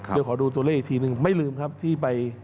เดี๋ยวขอรู้เล่นอีกทีไม่ลืมครับที่ไป